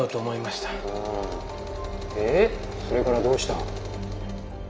それからどうした？